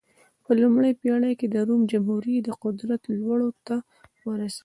په لومړۍ پېړۍ کې د روم جمهوري د قدرت لوړو ته ورسېده.